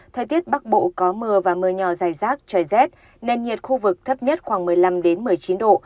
thời tiết bắc bộ có mưa và mưa nhỏ dài rác trời rét nền nhiệt khu vực thấp nhất khoảng một mươi năm một mươi chín độ